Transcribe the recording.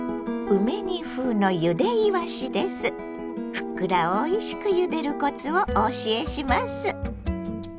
ふっくらおいしくゆでるコツをお教えします。